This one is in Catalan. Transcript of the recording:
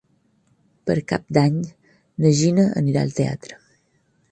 Per Cap d'Any na Gina anirà al teatre.